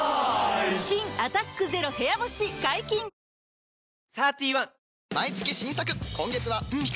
新「アタックＺＥＲＯ部屋干し」解禁‼いい汗。